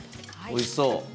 おいしそう。